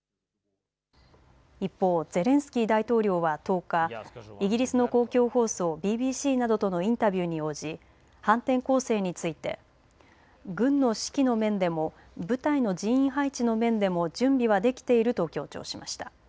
一方、ゼレンスキー大統領は１０日、イギリスの公共放送、ＢＢＣなどとのインタビューに応じ反転攻勢について軍の士気の面でも部隊の人員配置の面でも準備はできていると強調しました。